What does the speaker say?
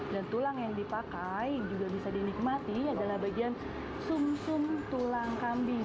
dan tulang yang dipakai juga bisa dinikmati adalah bagian sum sum tulang kambing